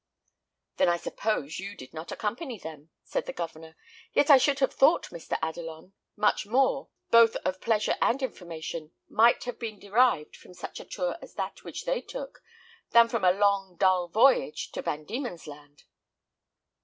"Then I suppose you did not accompany them?" said the Governor; "yet I should have thought, Mr. Adelon, much more, both of pleasure and information, might have been derived from such a tour as that which they took, than from a long, dull voyage to Van Dieman's Land."